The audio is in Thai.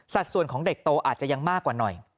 ส่วนของเด็กโตอาจจะยังมากกว่าหน่อย